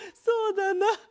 そうだな。